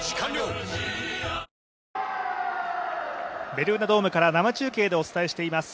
ベルーナドームから生中継でお伝えしています。